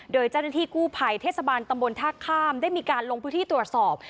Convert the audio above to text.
โดยเจ้าหน้าที่กู้ภัยเทศบาลตำบลท่าข้ามได้มีการลงพื้นที่ตรวจสอบ